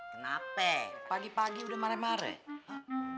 kenapa pagi pagi udah maret maret